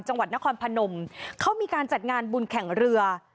จังหวัดนครพนมเขามีการจัดงานบุญแข่งเรือ